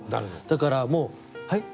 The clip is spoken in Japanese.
だからもうはい？